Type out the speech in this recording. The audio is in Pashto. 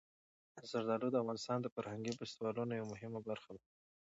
زردالو د افغانستان د فرهنګي فستیوالونو یوه مهمه برخه ده.